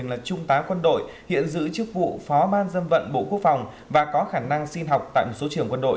là trung tá quân đội hiện giữ chức vụ phó ban dân vận bộ quốc phòng và có khả năng xin học tại một số trưởng quân đội